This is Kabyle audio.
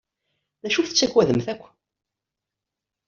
D acu i tettagadem akk?